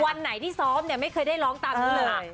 วันไหนที่ซ้อมไม่เคยได้ร้องตามเงย